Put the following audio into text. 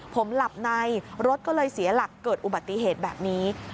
ผมหลับในรถก็เลยเสียหลักเกิดอุบัติเหตุแบบนี้